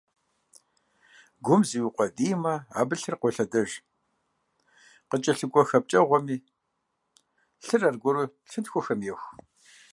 Гум зиукъуэдиймэ, абы лъыр къолъэдэж, къыкӀэлъыкӀуэ хэпкӀэгъуэми лъыр аргуэру лъынтхуэхэм еху.